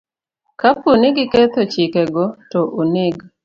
Kapo ni giketho chikego, to oneg